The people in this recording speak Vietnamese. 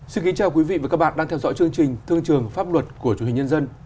xin kính chào quý vị và các bạn đang theo dõi chương trình thương trường pháp luật của chủ hình nhân dân